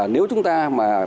nếu chúng ta mà